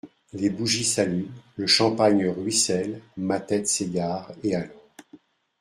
Les bougies s’allument, le champagne ruisselle, ma tête s’égare, et alors…